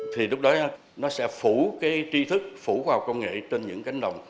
thì lúc đó nó sẽ phủ cái tri thức phủ khoa học công nghệ trên những cánh đồng